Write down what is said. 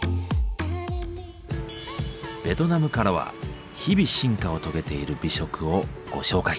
ベトナムからは日々進化を遂げている美食をご紹介。